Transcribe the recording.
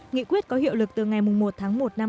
nghị quyết có hiệu lực từ ngày một tháng một năm hai nghìn